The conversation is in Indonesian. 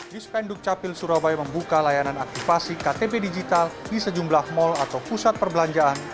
di spenduk capil surabaya membuka layanan aktifasi ktp digital di sejumlah mal atau pusat perbelanjaan